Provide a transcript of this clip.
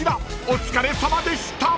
［お疲れさまでした！］